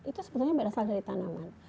itu sebetulnya berasal dari tanaman